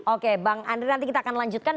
oke bang andri nanti kita akan lanjutkan